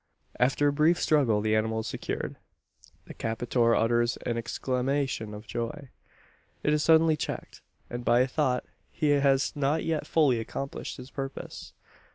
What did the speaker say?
After a brief struggle the animal is secured. The captor utters an exclamation of joy. It is suddenly checked, and by a thought. He has not yet fully accomplished his purpose.